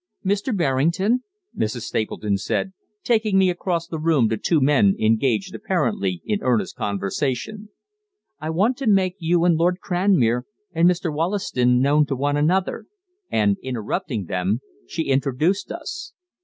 "Mr. Berrington," Mrs. Stapleton said, taking me across the room to two men engaged apparently in earnest conversation, "I want to make you and Lord Cranmere and Mr. Wollaston known to one another," and, interrupting them, she introduced us.